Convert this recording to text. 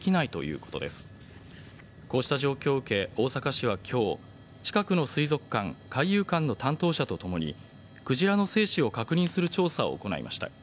こうした状況を受け大阪市は今日近くの水族館海遊館の担当者とともにクジラの生死を確認する調査を行いました。